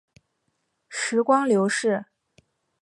时光流逝